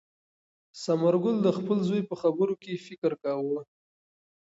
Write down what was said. ثمر ګل د خپل زوی په خبرو کې فکر کاوه.